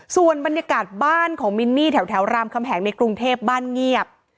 ส่วนบรรยากาศบ้านของมินนี่แถวรามคำแหงในกรุงเทพบ้านเงียบ